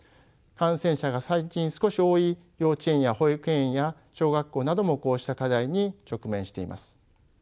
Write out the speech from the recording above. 感染者が最近少し多い幼稚園や保育園や小学校などもこうした課題に直面しています。